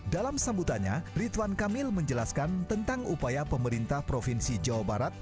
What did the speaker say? dalam sambutannya ridwan kamil menjelaskan tentang upaya pemerintah provinsi jawa barat